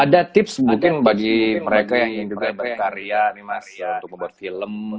ada tips mungkin bagi mereka yang ingin berkarya ini mas untuk membuat film